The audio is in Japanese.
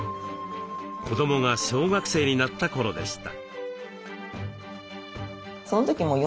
子どもが小学生になった頃でした。